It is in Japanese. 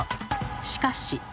しかし。